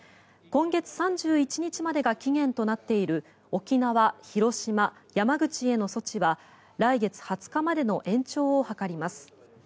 今月３１日までが期限となっている沖縄、広島、山口への措置は来月２０日までの延長を諮ります。